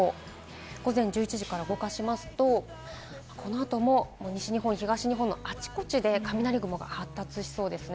午前１１時から動かしますと、このあとも西日本、東日本のあちこちで雷雲が発達しそうですね。